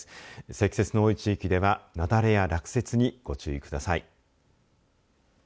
積雪の多い地域では雪崩や落雪にご注意ください。